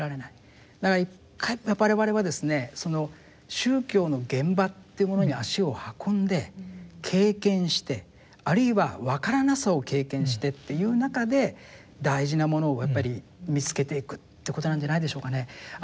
その宗教の現場っていうものに足を運んで経験してあるいはわからなさを経験してっていう中で大事なものをやっぱり見つけていくってことなんじゃないでしょうかね。